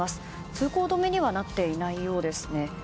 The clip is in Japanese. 通行止めにはなっていないようですね。